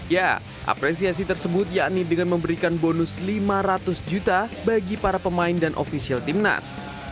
ya apresiasi tersebut yakni dengan memberikan bonus lima ratus juta bagi para pemain dan ofisial timnas